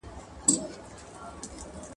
چي څوک ولویږي له واک او له قدرته ..